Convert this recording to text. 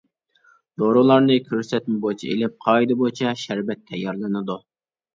دورىلارنى كۆرسەتمە بويىچە ئېلىپ قائىدە بويىچە شەربەت تەييارلىنىدۇ.